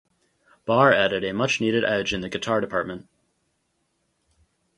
Barr added a much needed edge in the guitar department.